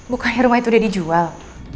bukannya rumah itu udah dijual